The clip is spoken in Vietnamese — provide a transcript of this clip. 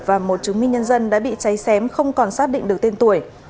và một chứng minh nhân dân đã bị cháy xém không còn xác định được tên tuổi